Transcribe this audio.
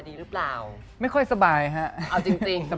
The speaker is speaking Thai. เด็กหลอกง่ายครับ